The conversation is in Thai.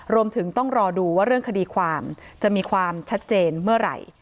รวมถึงต้องรอดูว่าเรื่องคดีความจะมีความชัดเจนเมื่อไหร่